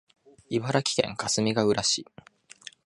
茨城県かすみがうら市